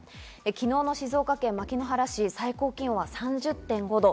昨日の静岡県牧之原市、最高気温は３０．５度。